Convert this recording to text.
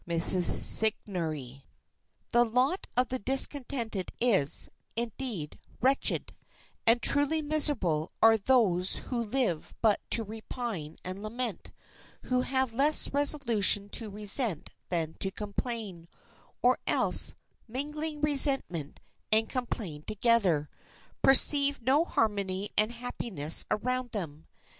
—MRS. SIGOURNEY. The lot of the discontented is, indeed, wretched; and truly miserable are those who live but to repine and lament, who have less resolution to resent than to complain, or else, mingling resentment and complaint together, perceive no harmony and happiness around them.